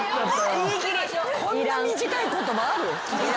こんな短い言葉ある？